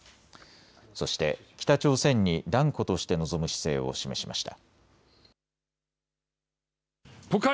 そして北朝鮮に断固として臨む姿勢を示しました。